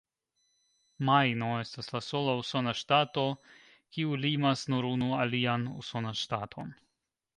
Majno estas la sola usona ŝtato, kiu limas nur unu alian usonan ŝtaton.